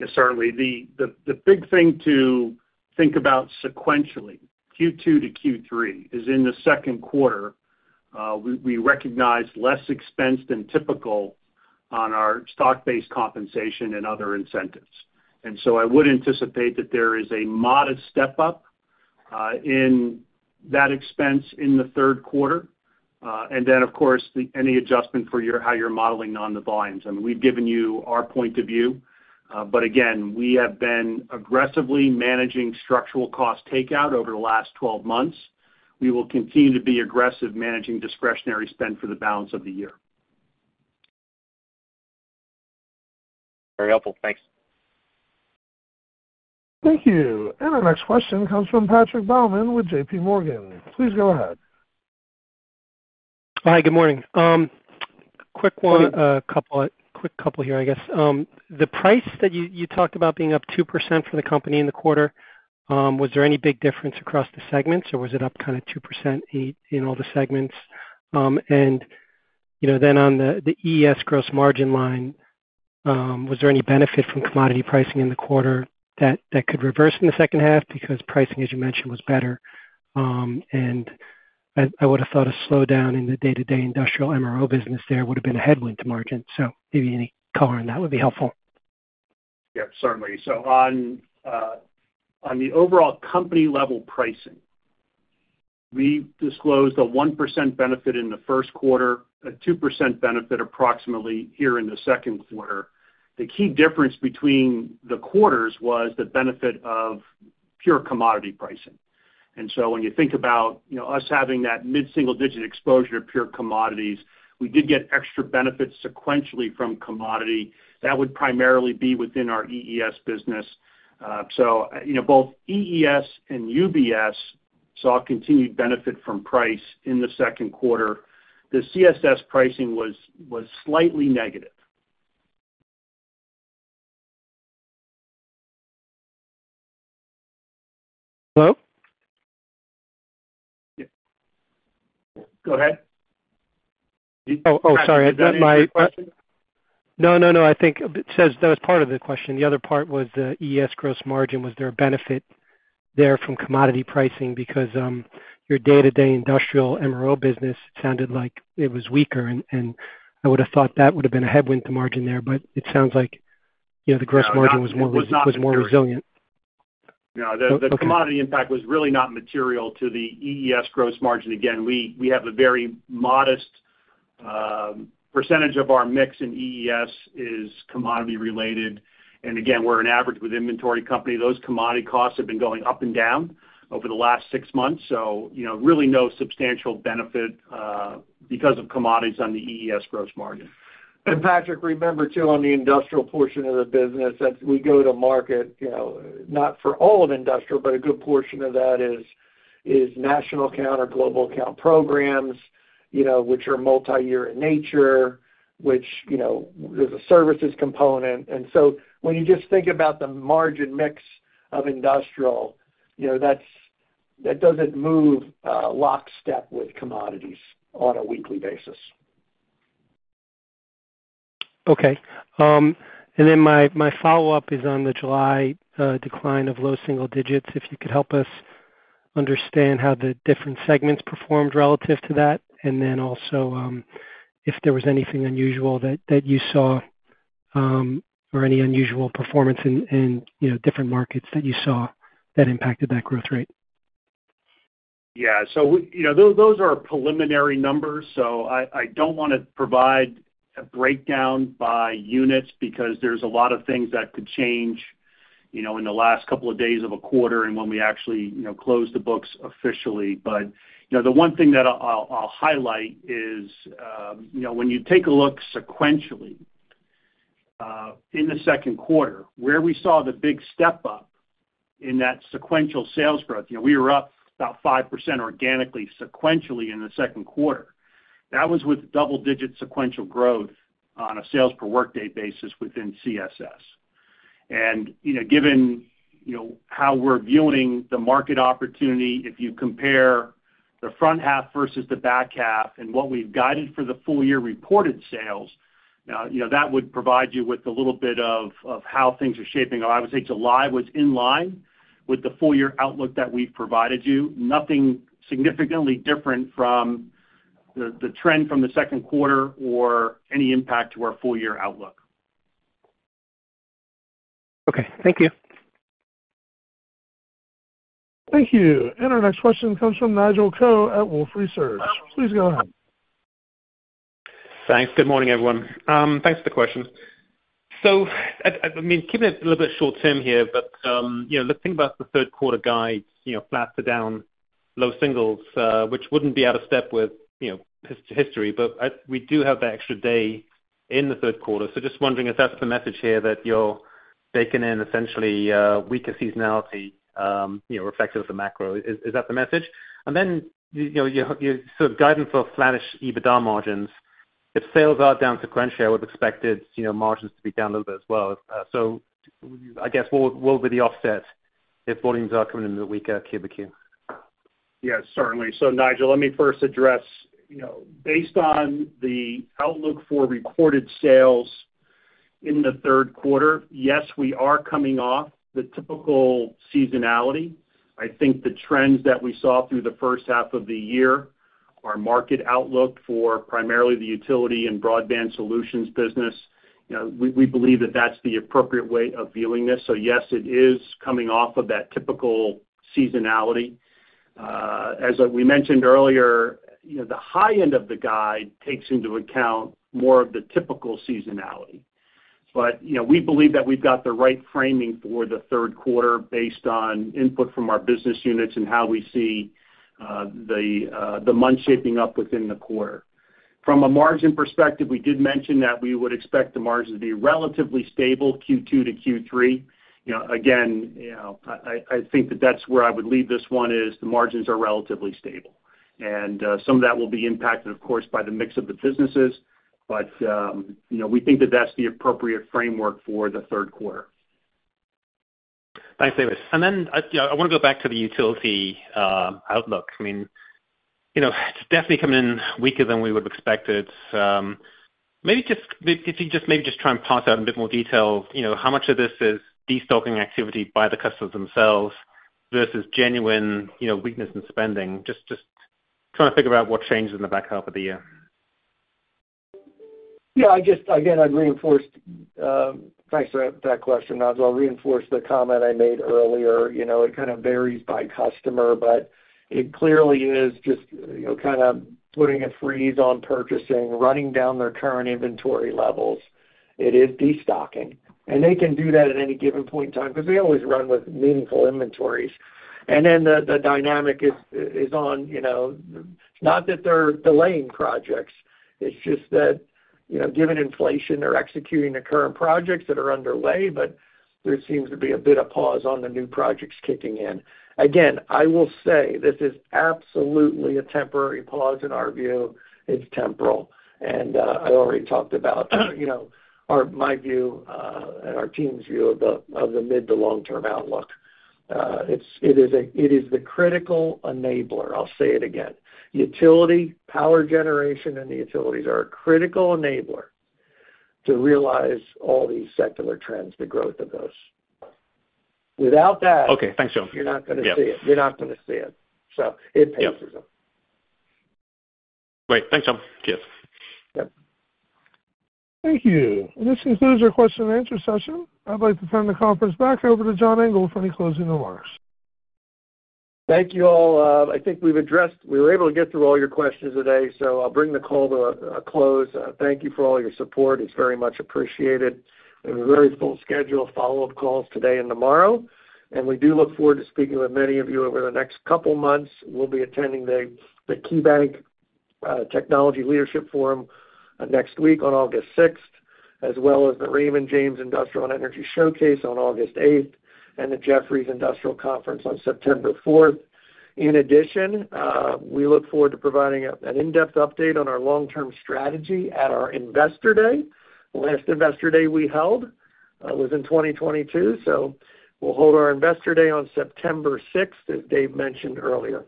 Yes, certainly. The big thing to think about sequentially, Q2 to Q3, is in the second quarter, we recognized less expense than typical on our stock-based compensation and other incentives. And so I would anticipate that there is a modest step-up in that expense in the third quarter. And then, of course, any adjustment for your, how you're modeling on the volumes. And we've given you our point of view, but again, we have been aggressively managing structural cost takeout over the last twelve months. We will continue to be aggressive managing discretionary spend for the balance of the year. Very helpful. Thanks. Thank you. And our next question comes from Patrick Baumann with JP Morgan. Please go ahead. Hi, good morning. Quick couple here, I guess. The price that you talked about being up 2% for the company in the quarter, was there any big difference across the segments, or was it up kind of 2% in all the segments? And, you know, then on the EES gross margin line, was there any benefit from commodity pricing in the quarter that could reverse in the second half? Because pricing, as you mentioned, was better. And I would have thought a slowdown in the day-to-day industrial MRO business there would have been a headwind to margin. So maybe any color on that would be helpful. Yeah, certainly. So on, on the overall company-level pricing, we disclosed a 1% benefit in the first quarter, a 2% benefit approximately here in the second quarter. The key difference between the quarters was the benefit of pure commodity pricing. And so when you think about, you know, us having that mid-single digit exposure to pure commodities, we did get extra benefits sequentially from commodity. That would primarily be within our EES business. So, you know, both EES and UBS saw continued benefit from price in the second quarter. The CSS pricing was, was slightly negative. Hello? Yeah. Go ahead. Oh, oh, sorry. I thought my- Question? No, no, no, I think it says that was part of the question. The other part was the EES gross margin. Was there a benefit there from commodity pricing? Because, your day-to-day industrial MRO business sounded like it was weaker, and I would've thought that would've been a headwind to margin there, but it sounds like, you know, the gross margin was more, was more resilient. No, the commodity impact was really not material to the EES gross margin. Again, we have a very modest percentage of our mix in EES is commodity related. And again, we're an averaging inventory company. Those commodity costs have been going up and down over the last six months, so you know, really no substantial benefit because of commodities on the EES gross margin. And Patrick, remember, too, on the industrial portion of the business, as we go to market, you know, not for all of industrial, but a good portion of that is national account or global account programs, you know, which are multi-year in nature, which, you know, there's a services component. And so when you just think about the margin mix of industrial, you know, that doesn't move lockstep with commodities on a weekly basis. Okay. And then my follow-up is on the July decline of low single digits. If you could help us understand how the different segments performed relative to that, and then also, if there was anything unusual that you saw, or any unusual performance in, you know, different markets that you saw that impacted that growth rate. Yeah. So we... you know, those are preliminary numbers, so I don't want to provide a breakdown by units because there's a lot of things that could change, you know, in the last couple of days of a quarter and when we actually, you know, close the books officially. But, you know, the one thing that I'll highlight is, you know, when you take a look sequentially, in the second quarter where we saw the big step up in that sequential sales growth, you know, we were up about 5% organically, sequentially in the second quarter. That was with double-digit sequential growth on a sales per workday basis within CSS. You know, given you know how we're viewing the market opportunity, if you compare the front half versus the back half and what we've guided for the full year reported sales, you know, that would provide you with a little bit of how things are shaping up. I would say July was in line with the full year outlook that we've provided you. Nothing significantly different from the trend from the second quarter or any impact to our full year outlook. Okay. Thank you. Thank you. And our next question comes from Nigel Coe at Wolfe Research. Please go ahead. Thanks. Good morning, everyone. Thanks for the question. So I mean, keeping it a little bit short-term here, but you know, let's think about the third quarter guide, you know, flat to down, low singles, which wouldn't be out of step with, you know, history. But we do have that extra day in the third quarter. So just wondering if that's the message here, that you're baking in essentially weaker seasonality, you know, reflective of the macro. Is that the message? And then, you know, your sort of guidance for flattish EBITDA margins, if sales are down sequentially, I would expect it, you know, margins to be down a little bit as well. So I guess what would be the offset if volumes are coming in the weaker Q over Q? Yes, certainly. So Nigel, let me first address, you know, based on the outlook for reported sales in the third quarter, yes, we are coming off the typical seasonality. I think the trends that we saw through the first half of the year, our market outlook for primarily the Utility and Broadband Solutions business, you know, we believe that that's the appropriate way of viewing this. So yes, it is coming off of that typical seasonality. As we mentioned earlier, you know, the high end of the guide takes into account more of the typical seasonality. But, you know, we believe that we've got the right framing for the third quarter based on input from our business units and how we see the months shaping up within the quarter. From a margin perspective, we did mention that we would expect the margin to be relatively stable Q2 to Q3. You know, again, you know, I think that that's where I would leave this one, is the margins are relatively stable. Some of that will be impacted, of course, by the mix of the businesses. You know, we think that that's the appropriate framework for the third quarter. Thanks, David. And then, you know, I wanna go back to the utility outlook. I mean, you know, it's definitely coming in weaker than we would have expected. Maybe just try and parse out in a bit more detail, you know, how much of this is destocking activity by the customers themselves versus genuine, you know, weakness in spending? Just trying to figure out what changes in the back half of the year. Yeah, again, I'd reinforce. Thanks for that question, Nigel. I'll reinforce the comment I made earlier. You know, it kind of varies by customer, but it clearly is just, you know, kind of putting a freeze on purchasing, running down their current inventory levels. It is destocking, and they can do that at any given point in time, because they always run with meaningful inventories. And then the dynamic is on, you know, not that they're delaying projects, it's just that, you know, given inflation, they're executing the current projects that are underway, but there seems to be a bit of pause on the new projects kicking in. Again, I will say this is absolutely a temporary pause in our view. It's temporal, and I already talked about, you know, our—my view and our team's view of the mid- to long-term outlook. It is the critical enabler. I'll say it again, utility, power generation and the utilities are a critical enabler to realize all these secular trends, the growth of those. Without that- Okay, thanks, John. You're not gonna see it. Yeah. You're not gonna see it, so it takes them. Yeah. Great. Thanks, John. Cheers. Yep. Thank you. This concludes our question and answer session. I'd like to turn the conference back over to John Engel for any closing remarks. Thank you all. I think we've addressed... we were able to get through all your questions today, so I'll bring the call to a close. Thank you for all your support. It's very much appreciated. We have a very full schedule of follow-up calls today and tomorrow, and we do look forward to speaking with many of you over the next couple months. We'll be attending the KeyBanc Technology Leadership Forum next week on August 6th, as well as the Raymond James Industrial and Energy Showcase on August 8th, and the Jefferies Industrial Conference on September 4th. In addition, we look forward to providing an in-depth update on our long-term strategy at our Investor Day. Last Investor Day we held was in 2022, so we'll hold our Investor Day on September sixth, as Dave mentioned earlier.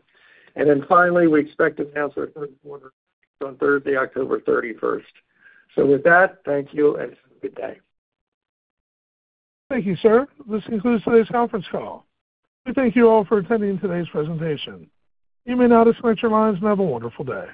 Finally, we expect to announce our third quarter on Thursday, October 31st. With that, thank you, and good day. Thank you, sir. This concludes today's conference call. We thank you all for attending today's presentation. You may now disconnect your lines and have a wonderful day.